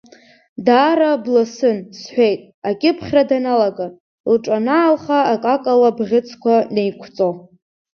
Даара бласын, – сҳәеит акьыԥхьра даналга, лҿанаалха акакала абӷьыцқәа неиқәҵо.